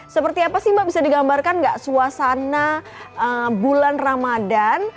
seperti apa sih mbak bisa digambarkan nggak suasana bulan ramadan